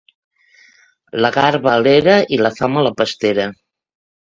La garba a l'era i la fam a la pastera.